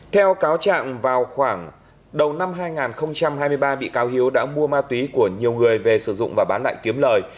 theo cáo trạng vào khoảng đầu năm hai nghìn hai mươi ba bị cáo hiếu đã mua ma túy của nhiều người về sử dụng và bán lại kiếm lời